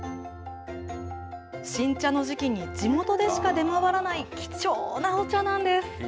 新茶の時期に、地元でしか出回らない貴重なお茶なんです。